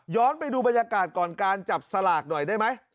ไปดูบรรยากาศก่อนการจับสลากหน่อยได้ไหม